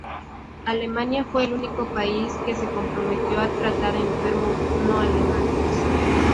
Alemania fue el único país que se comprometió a tratar a enfermos no alemanes.